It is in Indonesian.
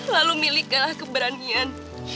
lalu milikkanlah keberanian